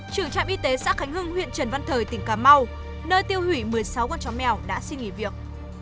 trưởng trạm y tế xã khánh hưng huyện trần văn thời tỉnh cà mau nơi tiêu hủy một mươi sáu con chó mèo đã xin nghỉ việc